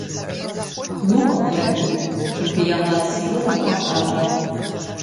Ну, паглядзім, чэмпіянат свету пакажа.